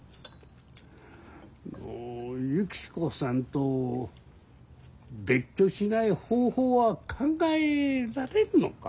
ゆき子さんと別居しない方法は考えられんのか？